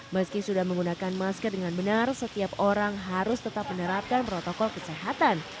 meski sudah menggunakan masker dengan benar setiap orang harus tetap menerapkan protokol kesehatan